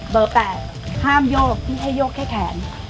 เบอร์แปดห้ามโยกพี่ให้โยกแค่แขน